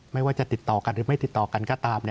ไม่ว่าจะติดต่อกันหรือไม่ติดต่อกันก็ตาม